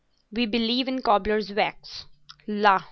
"We believe in cobblers' wax. _La!